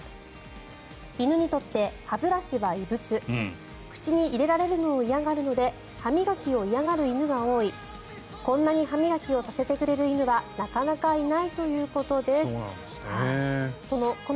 犬の歯磨きについてドッグトレーナーの鹿野さんに聞きました犬にとって歯ブラシ廃物口に入れられるのを嫌がるので歯磨きを嫌がる犬が多いこんなに歯磨きをさせてくれる犬はなかなかいないということです。